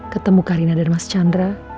ketemu karina dan mas chandra